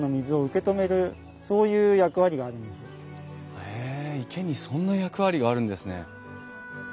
へえ池にそんな役割があるんですね。